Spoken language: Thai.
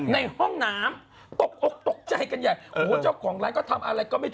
ในห้องหนามปกติตกใจกันใหญ่